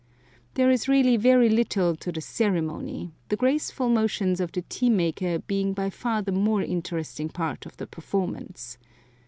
There is really very little to the "ceremony," the graceful motions of the tea maker being by far the more interesting part of the performance.